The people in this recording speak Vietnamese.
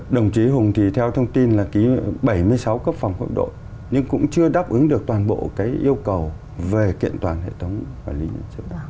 đồng chí hùng thì theo thông tin là ký bảy mươi sáu cấp phòng quốc đội nhưng cũng chưa đáp ứng được toàn bộ cái yêu cầu về kiện toàn hệ thống quản lý nhân dân